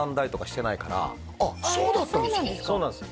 そうなんです